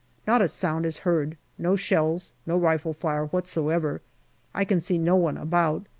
Not a sound is heard no shells, no rifle fire whatsoever. I can see no one about.